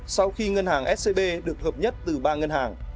sau khi ngân hàng scb được hợp nhất từ ba ngân hàng